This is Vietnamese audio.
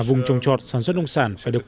vùng trồng trọt sản xuất nông sản phải được